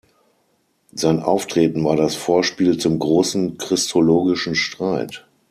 Sein Auftreten war das Vorspiel zum großen christologischen Streit.